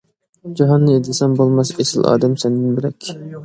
جاھاننى ئىزدىسەم بولماس، ئېسىل ئادەم سەندىن بۆلەك.